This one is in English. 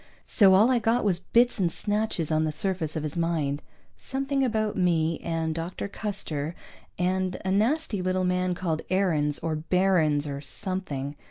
So all I got was bits and snatches on the surface of his mind. Something about me, and Dr. Custer; and a nasty little man called Aarons or Barrons or something.